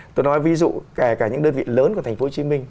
tôi nói ví dụ kể cả những đơn vị lớn của thành phố hồ chí minh